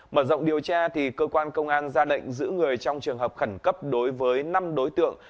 mở rộng điều tra cơ quan công an ra lệnh giữ người trong trường hợp khẩn cấp đối với năm đối tượng